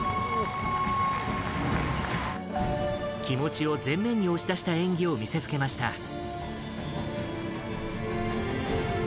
気持ちを全面に押し出した演技を見せ付けました。